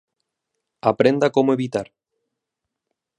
aprenda cómo evitar